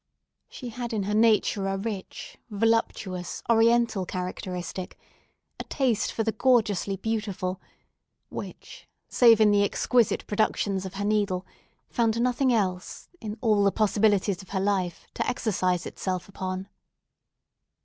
She had in her nature a rich, voluptuous, Oriental characteristic—a taste for the gorgeously beautiful, which, save in the exquisite productions of her needle, found nothing else, in all the possibilities of her life, to exercise itself upon.